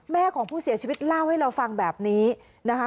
ของผู้เสียชีวิตเล่าให้เราฟังแบบนี้นะคะ